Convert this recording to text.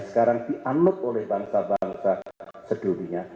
sekarang di unlock oleh bangsa bangsa sedulunya